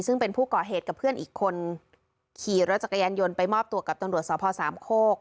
ซึ่งเป็นผู้ก่อเหตุกับเพื่อนอีกคนขี่รถจักรยานยนต์ไปมอบตัวกับตำรวจสพสามโคก